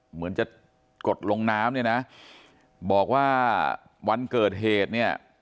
เหมือนจะกดลงน้ำเนี่ยนะบอกว่าวันเกิดเหตุเนี่ย